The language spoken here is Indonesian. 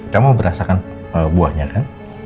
kamu berasakan buahnya kan